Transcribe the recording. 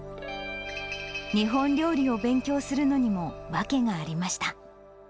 日本料理を勉強するのにも、訳がありました。